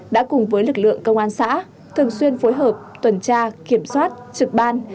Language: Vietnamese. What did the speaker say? đã cùng với lực lượng công an xã thường xuyên phối hợp tuần tra kiểm soát trực ban